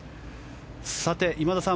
さて今田さん